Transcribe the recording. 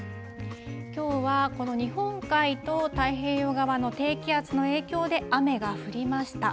きょうはこの日本海と太平洋側の低気圧の影響で、雨が降りました。